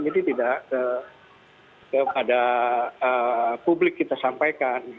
jadi tidak kepada publik kita sampaikan